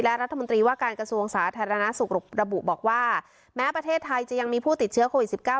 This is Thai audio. และรัฐมนตรีว่าการกระทรวงสาธารณสุขระบุบอกว่าแม้ประเทศไทยจะยังมีผู้ติดเชื้อโควิด๑๙